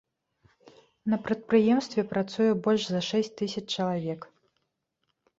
На прадпрыемстве працуе больш за шэсць тысяч чалавек.